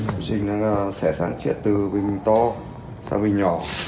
chủ sinh sẽ sản trị từ bình to sang bình nhỏ